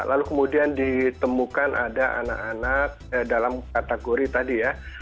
lalu kemudian ditemukan ada anak anak dalam kategori tadi ya